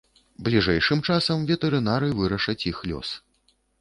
Бліжэйшым часам ветэрынары вырашаць іх лёс.